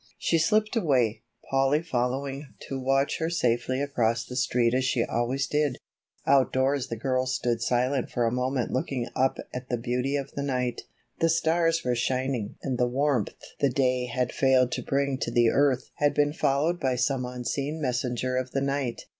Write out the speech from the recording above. She slipped away, Polly following to watch her safely across the street as she always did. Outdoors the girls stood silent for a moment looking up at the beauty of the night. The stars were shining and the warmth the day had failed to bring to the earth had been followed by some unseen messenger of the night.